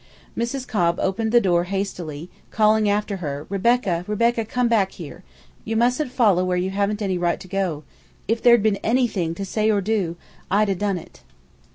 Mrs. Cobb opened the door hastily, calling after her, "Rebecca, Rebecca, come back here! You mustn't follow where you haven't any right to go. If there'd been anything to say or do, I'd a' done it."